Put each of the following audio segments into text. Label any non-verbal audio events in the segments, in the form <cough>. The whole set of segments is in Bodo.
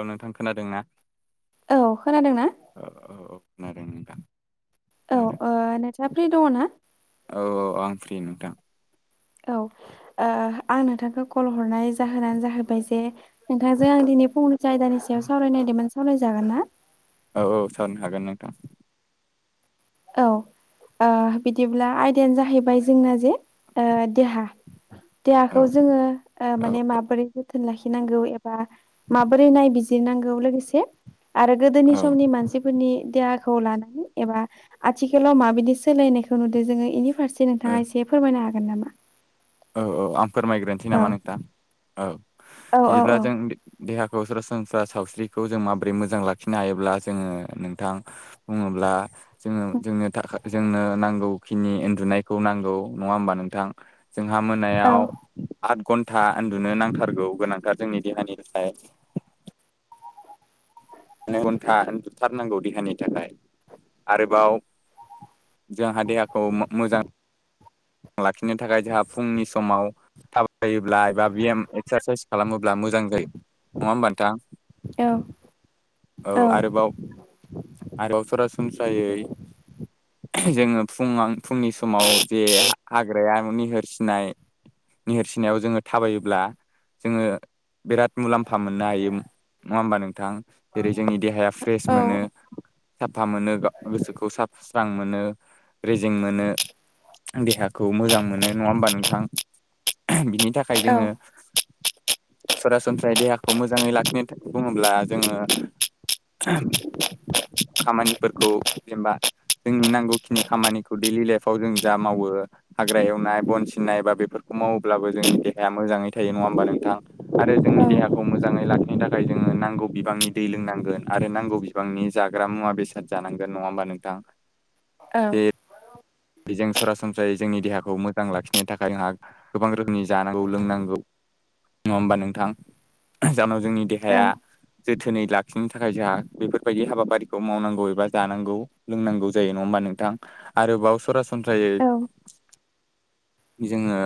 औ नोंथां खोनादोंना? औ खोनादोंना औ औ औ खोनादों नोंथां। औ खोनादों ओ नोंथांआ फ्रि दङ ना? औ औ आं फ्रि नोंथां। औ ओ आं नोंथांखौ कल हरनाय जाहोनानो जाहैबाय जे नोंथांजों आं दिनै फंनै- सो आयदानि सायाव सावरायनायदोंमोन सावरायजागोन ना? औ औ सारायनो हागोन नोंथां। औ ओ बिदिब्ला आयदायानो जाहैबाय जोंना जे देहा। औ देहाखौ जोङो माने माबोरै जोथोन लाखिनांगौ एबा माबोरै नायबिजिरनांगौ लोगोसे आरो गोदोनि औ समनि मानसिफोरनि देहाखौ लानानै एबा आथिखालाव माबायदि सोलायनायखौ नुदों जोङो बेनि फारसे औ नोंथाङा एसे फोरमायनो हागोन नामा? औ औ आं फोरमायग्रोनोसै औ नामा नोंथां। औ औ औ बिदिब्ला औ जों देहाखौ सरासनस्रा सावस्रिखौ जों माबोरै मोजां लाखिनो हायोब्ला जोङो नोंथां बुङोब्ला ब्ला जों जोंनो-जोंनो नांगौ खिनि उन्दुनायखौ नांगौ नङा होमबा नोंथां। जोंहा औ मोनायाव आद घन्टा उन्दुनो नांथारगौ गोनांथार जोंनि देहानि थाखाय नै घन्टा उन्दुथारनांगौ देहानि थाखाय आरोबाव जोंहा देहाखौ मो मोजां लाखिनो थाखाय जोंहा फुंनि समाव थाबायोब्ला एबा बेयाम एक्सारसाइस खालामोब्ला मोजां जायो नङा होमबा नोंथां औ आरोबाव आरोबाव सरासन सनस्रायै जोङो फुं आं फुंनि समाव जे हाग्राया निहोरसिनाय निहोरसिनायाव जोङो थाबायोब्ला जोङो बिराद मुलाम्फा मोननो हायो नङा होमबा नोंथां? जेरै जोंनि देहाया फ्रेस मोनो। साफा मोनो गोसोखौ साफा स्रां मोनो रेजें मोनो देहा खौ मोजां मोनो नङा होमबा नोंथां बिनि थाखाय जोङो सरासनस्रायै देहाखौ मोजाङै लाखिनो थाखाय बुङोब्ला जोङो खामानिफोरखौ जेनबा जोंनि नांगौखिनि खामानिखौ दैडलि लाइफ आव जों जा मावो हाग्रा एवनाय बन सिननाय बा बेफोरखौ मावोब्लाबो जोंनि देहाया मोजाङै थायो नङा होमबा नोंथां आरो जोंनि देहाखौ मोजाङै लाखिनो थाखाय जोङो नांगौ बिबांनि दै लोंनांगोन आरो नांगौ बिबांनि जाग्रा मुवा मुवा बेसाद जानांगोन नङा होमबा नोंथां औ बेजों सरासनस्रायै जोंनि देहाखौ मोजां लाखिनो थाखाय जोंहा गोबां रोखोमनि जानांगौ लोंनांगौ नङा होमबा नोंथां जानाव जोनाव जोंनि देहाया जोथोनै लाखिनो थाखाय जोंहा बेफोरबायदि हाबाफारिखौ मावनांगौ एबा जानांगौ लोंनांगौ जायो नङा होमबा नो नोंथां आरोबाव सरासनस्रायै जोङो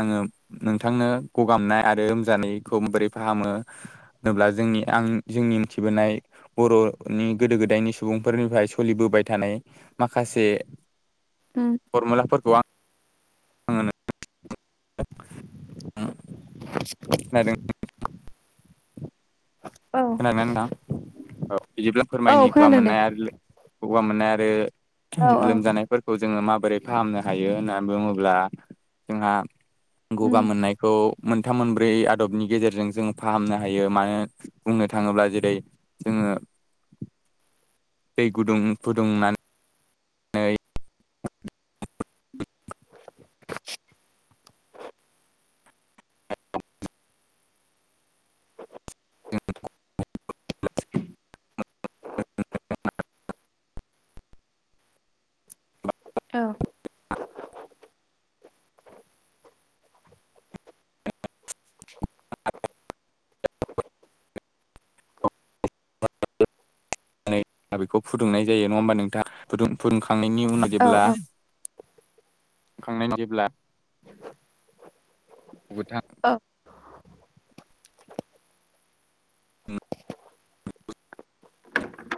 आङो नोंथांनो गगामनाय आरो लोमजानायखौ माबोरै फाहामो होनोब्ला जों जोंनि आं जोंनि मिथिबोनाय बर'नि गोदो-गोदायनि सुबुंफोरनिफ्राय सोलिबोबाय थानाय माखासे फरमुलाफोरखौ आं <unintelligible> खोनादों <inaudible> खोनादोंना नोंथां औ बिदिब्ला फोरमायनि गगा खोनादों दे मोननाय आरो गगा मोननाय आरो औ औ लोमजानायफोरखौ जोङो माबोरै फाहामनो हायो होननानै बुङोब्ला जोंहा गगा उम, मोननायखौ मोनथाम मोनब्रै आदबनि गेजेरजों जों फाहामनो हायो मानो बुंनो थाङोब्ला जेरै जोङो दै गुदुं फुदुंना नै <unintelligible> <unintelligible> औ <unintelligible> बेखौ फुदुंनाय जायो नङा होमबा नोंथाङा फुुदुं फुदुंखा खांनायनि उनाव औ जेब्ला औ खांनायनि जेब्ला गोथां औ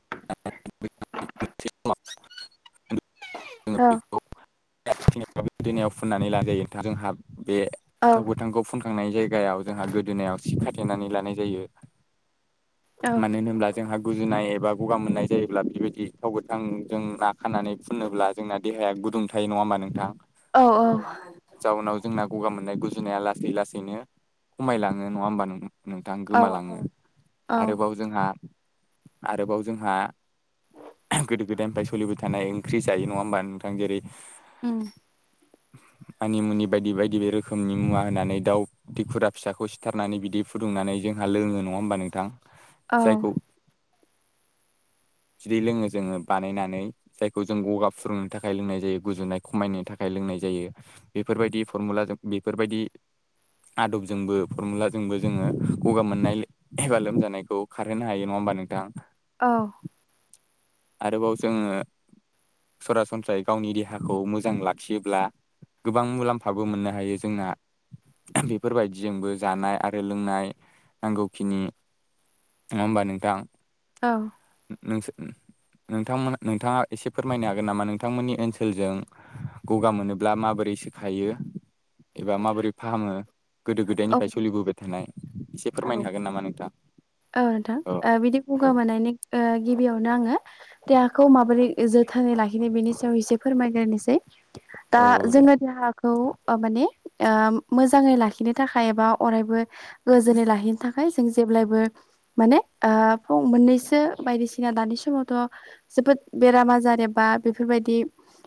<unintelligible> जोङो औ बेखौ फुननानै लाजायो थां जोंहाब बे औ थाव गोथांखौ फुन थांनाय जायगायाव जोंहा गोदोनायाव सि खाथेनानै लानाय जायो मानो होनब्ला जोंहा गुजुनाय एबा गगा मोननाय जायोब्ला बेबायदि थाव गोथांजों नाखानानै फुनोब्ला जोंना देहाया गुुदुं थायो नङा होमबा नोंथां औ औ जाउनाव जोंना गगा मोननाय गुजुनाया लासै लासैनो खमायलाङो नङा होमबा नों नोंथां औ गोमालाङो आरोबाव औ जोंहा आरोबाव जोंहा गोदो गोदायनिफ्राय सोलिबाय थानाय ओंख्रि जायो नङा होमबा नोंथां जेरै उम मानिमुनि बायदि बायदि रोखोमनि मुवा होनानै दाउ दैखुरा फिसाखौ सिथारनानै बिदि फुदुंनानै जोंहा लोङो नङा होमबा नोंथां जायखौ बिदै लोङो जोङो बानायनानै जायखौ जों गगा फुदुंनो थाखाय लोंनाय जायो गुजुनाय खमायनो थाखाय लोंनाय जायो बेफोरबायदि फरमुला बेफोरबायदि <inaudible> आदबजोंबो फरमुलाजोंबो जोङो गगा मोननाय एबा लोमजानायखौ खारहोनो हायो नङा होमबा नोंथां। औ आरोबाव जोङो सरासनस्रायै गावनि देहाखौ मोजां लाखियोब्ला गोबां मुलाम्फाबो मोननो हायो जोंना बेफोरबायदिजोंबो जानाय आरो लोंनाय नांगौखिनि नङा होमबा नोंथां नोंसो नोंथांमोन नोंथाङा एसे फोरमायनो हागोन नामा नोंथांमोननि ओनसोलजों गगा मोनोब्ला माबायदि बोरैसो खायो एबा माबोरै फाहामो गोदो गोदायनिफ्राय सोलिबोबाय थानाय एसे औ फोरमायनो हागोन नामा नोंथां औ औ नोंथां बिदि औ गगा मोननायनि गिबियावनो आङो देहाखौ माबोरै जोथोनै लाखिनाय बेनि सायाव एसे फोरमायग्रोनोसै दा औ औ दे जोङो देहाखौ माने मोजाङै लाखिनो थाखाय एबा अरायबो गोजोनै लाखिनो था खाय जों जेब्लायबो माने ओ फ मोननैसो बायदिसिना दानि समावथ' जोबोद बेराम आजार जेबा बेफोर बायदि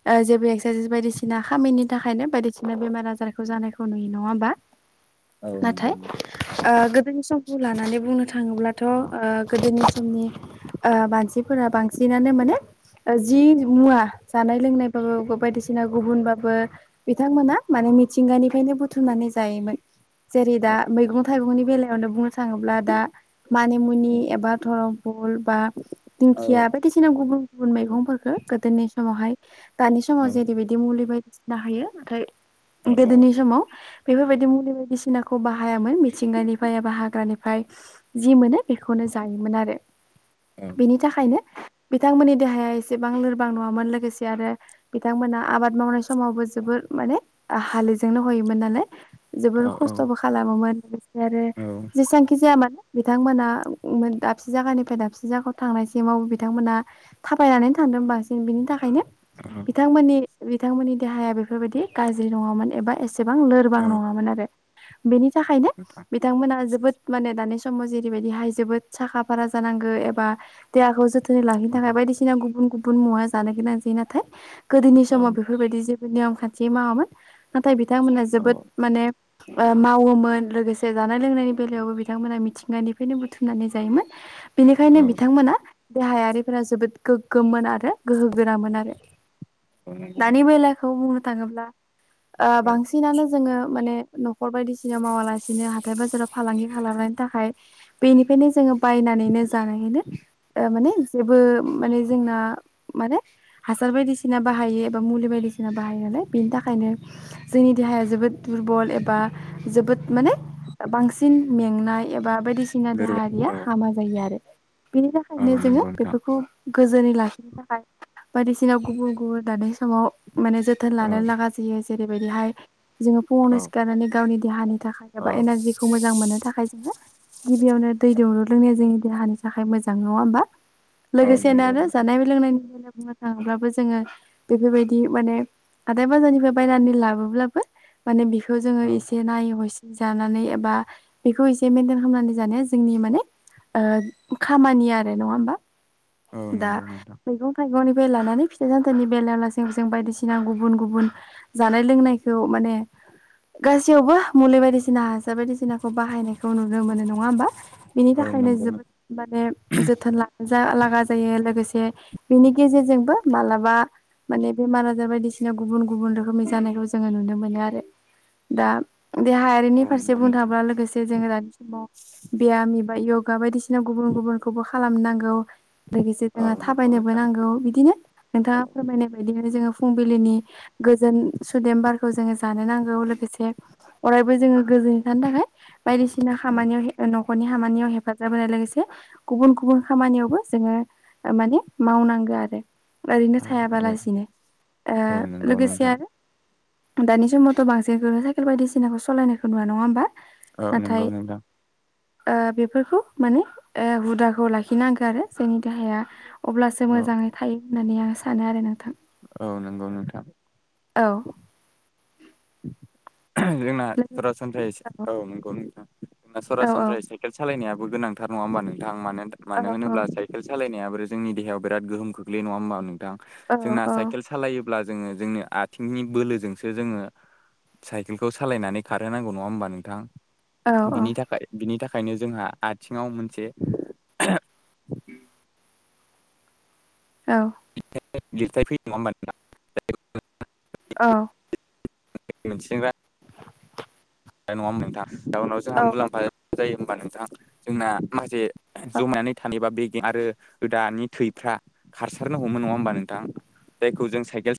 ओ जेबो बायदिसिना खामिनि थाखायनो बायदिसिना बेमार आजारखौ जानायखौ नुयो नङा होमबा औ नंगौ नाथाय नोंथां गोदोनि समखौ लानानै बुंनो थाखाय थाङोब्लाथ' ओ गोदोनि समनि मानसिफोरा बांसिनानो माने जि मुवा जानाय लोंनाय बाबो बायदिसिना गुबुनबाबो बिथांमोना माने मिथिंगानिफ्रायनो बुथुमनानै जायोमोन जेरै औ दा मैगं थाइगंनि बेलायावनो बुंनो थाङोब्ला दा औ मानिमुनि एबा धर' फल बा दिंखिया बायदिसिना गुबुन गुबुन औ मैगंफोरफोरखौ गोदोनि समावहाय दानि औ समाव जेरैबायदि मुलि बायदिसिना हायो नाथाय औ गोदोनि समाव बेफोरबायदि मुलि बायदिसिनाखौ बाहायामोन मिथिंगानिफ्राय एबा हाग्रानिफ्राय जि मोनो बेखौनो जायोमोन आरो बेनि थाखायनो बिथांमोननि देहाया एसेबां लोरबां नङामोन लोगोसे आरो बिथांमोना आबाद मावनाय समावबो जोबोद माने हाललिजोंनो हयोमोन नालाय औ जोबोर खस्थ'बो खालामोमोन लोगोसे आरो औ जेसेबांखि जायामानो बिथांमोना दाबसे जायगानिफ्राय दाबसे जायगायाव थांनायसिमाव बिथांमोना थाबायनानै थांदोंमोन बांसिन बिनि थाखायनो बिथांमोननि बिथांमोननि देहाया बेफोरबायदि गाज्रि नङामोन एबा एसे बेसेबां लोरबां नङामोन आरो बेनि थाखायनो बिथांमोना जोबोद माने दानि समाव जेरैबायदिहाय जोबोद साखा फारा जानांगौ एबा देहाखौ जोथोन लाखिनो थाखाय बायदिसिना गुबुन गुबुन मुवा जानो गोनां जायो नाथाय गोदोनि समाव बेफोरबायदि जे नियम खान्थि मावामोन नाथाय बिथांमोनहा जोबोद माने मावोमोन लोगोसे जानाय लोंनायनि बेलायावबो बिथांमोना मि थिंगानिफ्रायनो बुथुमनानै जायोमोन बेनिखायनो बिथांमोना देहायारिफोरा जोबोद गोगोममोन आरो गोहो गोरामोन आरो दानि बेलाखौ बुंनो थाङोब्ला ओ बांसिनानो जोङो माने न'खर बायदिसिना मावालासिनो हाथाय बाजाराव फालांगि खालामनायनि थाखाय बेनिफ्रायनो जोङो बायनानैनो जानायहो ओ माने जेबो माने जोंना माने हासार बायदिसिना बाहायो एबा मुलि बायदि मेडिसिना बाहायो नालाय बेनि थाखायनो जोंनि देहाया जोबोद दुरबल एबा जोबोद माने बांसिन मेंनाय एबा बायदिसिना देहायारिया औ हामा जायो आरो बिनि थाखायनो जोङो बेफोरखौ गोजोनै लाखिनो थाखाय बायदिसिना गुबुन गुबुन दानि समाव माने जोथोन लानो लागा जायो जेरैबायदिहाय जोङो फुङावनो सिखारनानै गावनि देहानि एनारजिखौ मोजां मोननो थाखाय जोङो गिबियावनो दै दौरु लोंनाया जोंनि देहानि थाखाय मोजां नङा हबा औ लोगोसेनो नंगौ आरो नोंथां जानाय लोंनायनि बुंनो थाङोब्लाबो जोङो बेफोरबायदि माने हाथाय बाजारनिफ्राय बायनानै लाबोब्लाबो माने बेखौ जोङो एसे नायै हसि जानानै एबा बेखौ इसे मेनटेन खालामनानै जानाया जोंनि माने ओ खामानि आरो नङा होमबा? दा मैगं थाइगंनि लानानै फिथाइ सामथाइनि बेलायावलासे जों बायदिसिना गुबुन गुबुन जानाय लोंनायखौ माने गासैयावबो मुलि बायदिसिना हासार बायदिसिनाखौ बाहा खौ नुनो मोनो नङा होमबा बेनि औ थाखायनो नंगौ नों जोबोद माने जोथोन लानोलागा जायो लोगोसे से बिनि गेजेरजोंबो मालाबा माने बेमार आजार बायदिसिना गुबुन गुबुन रोखोमनि जानायखौ जोङो नुनो मोनो आरो दा देहायारिनि औ फारसे नंगौ बुंनो नोंथां थाङोबा लोगोसे जोङो दानि समाव बेयाम बा य'गा बायदिसिना गुबुन गुबुनखौबो खालामनांगौ लोगोसे औ जोङो नंगौ थाबायनोबो नोंथां नांगौ बिदिनो औ नोंथाङा फोरमायनाय बायदिनो जोङो फुंबिलिनि गोजोन सुदेम बारखौ जोङो लानो नांगौ लोगोसे अरायबो जों गोजोनै थानो थाखाय बायदिसिना औ खामानियाव नख'रनि खामानियाव हेफाब होनाय लोगोसे गुबुन गुबुन खामानियावबो जोङो ओ माने मावनां नांगो आरो ओरैनो औ थायाबालासिनो ओ औ नंगौ लोगोसे नोंथां आरो दानि समावथ' बांसिनखौनो साइकेल बायदिसिनाखौ सालायनायखौ नुवा नङा होमबा औ नाथाय नंगौ नोंथां ओ बेफोरखौ माने ओ हुदाखौ लाखिनांगौ आरो जोंनि देहाया अब्लासो औ मोजाङै थायो होननानै आं सानो आरो नोंथां औ नंगौ नोंथां औ जोंना सरासनस्रायै औ नंगौ नोंथां औ सरासनस्रायै साइकेल सालायनाया गोनांथार नङा होमबा नोंथां मानो औ मानो होनोब्ला साइकेल सालायनायाबो जोंनि देहायाव बिराद गोहोम खोख्लैयो नङा होमबा नोंथां औ जोंना साइकेल सालायो अब्ला जोङो जोंनि आथिंनि बोलोजोंसो जोङो साइकेलखौ सालायनानै खारहोनांगौ नङा होमबा नोंथां औ बिनि थाखाय बिनि थाखाय ओंखायनो जोंहा आथिङाव मोनसे उ <inaudible> औ लिरथाय फैयो नङा होमबा नोंथां <inaudible> मिथिंगा नङाहोमबा नोंथां जाउनाव जोंहा औ मुलाम्फा जायो होमबा नोंथां जोंना माखासे जमायनानै थानायबा बे आरो रोदानि थैफ्रा खारसारनांगौमोन नङा होमबा नोंथां जायखौ जों साइकेल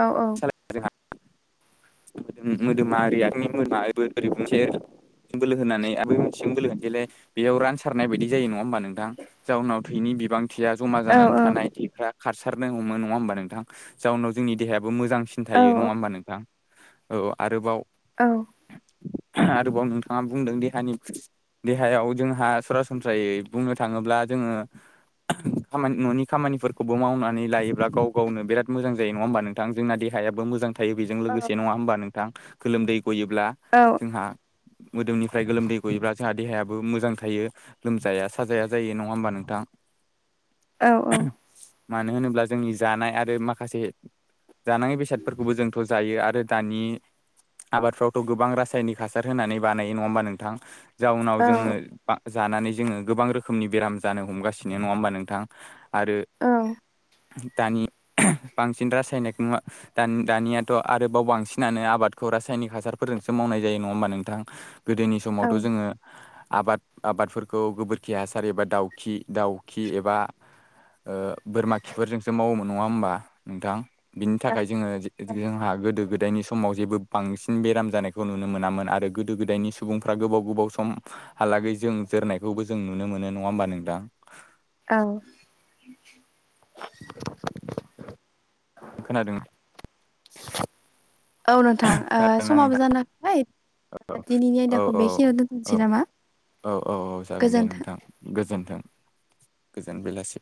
औ औ सालाय जोंहा <inaudible> मोदोमा ओरै आनि मो ओरै गंसे बोलो होनानै आ <unintelligible> बोलो जेलाय <unintelligible> बेयाव रानसारनाय बायदि जायो नङा होमबा नोंथां जाउनाव थैनि बिबां थैया जमा औ जानानै थानाय थैफ्रा खारसारनो हमो नङा होमबा नोंथां जाउनाव जोंनि देहायाबो मोजां थायो औ नङा औ होमबा नोंथां औ आरोबाव औ आरोबाव नोंथाङा बुंदों देहानि देहायाव जोंहा सरासनस्रायै बुंनो थाङोब्ला जोङो खामानि न'नि खामानिफोरखौबो मावनानै लायोब्ला गाव गावनो बिराद मोजां जायो नङा होमबा नोंथां जोंना दे देहायाबो मोजां थायो बेजों लोगोसे नङा होमबा नोंथां गोलोमदै गयोब्ला जोंहा मोदोमनिफ्राय गोलोमदै गयोब्ला जोंहा देहायाबो मोजां थायो लोमजाया साजाया जायो नङा होमबा नोंथां? औ औ मानो होनोब्ला जोंनि जानाय आरो माखासे जानाङि बेसा जायो आरो दानि आबादफ्रावथ' गोबां रासायनिक हासार होनानै बानायो नङा होमबा नोंथां? जाउनाव जोङो बा जानानै जोङो गोबां रोखोमनि बेराम जानो हमगासिनो नङा होमबा नोंथां? आरो औ। दानि बांसिन रासायनेक मुवा दान दानियाथ' आरोबाव बांसिनानो आबादखौ रासायनिक हासारफोरजोंसो मावनाय जायो नङा होमबा नोंथां? गोदोनि समावथ' जोङो। आबाद आबादफोरखौ गोबोरखि हासार एबा दाउखि दाउखि एबा ओ बोरमा खिफोरजोंसो मावोमोन नङा होमबा नोंथां बिनि थाखा जोङो जोंहा गोदो गोद दायनि समाव जेबो बांसिन बेराम जानायखौ नुनो मोनामोन आरो गोदो गोदायनि सुबुंफ्रा गोबाव गोबाव सम। हालागै जों जोरनायखौबो जों नुनो मोनो नङा होमबा नोंथां? औ। खोनादों औ नोंथां ओ खोनादोंना समाबो नोंथां जाना फैबाय दिनिनि औ आयदाखौ औ बे खिनियाव औ दोनथनसै नामा? औ औ औ जागोन दे गोजोन्थों। नोंथां गोजोन्थों। गोजोन बेलासि।